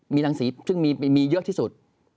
มีรังสีซึ่งมีเยอะที่สุด